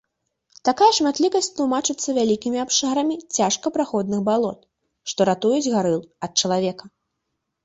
Такая шматлікасць тлумачыцца вялікімі абшарамі цяжкапраходных балот, што ратуюць гарыл ад чалавека.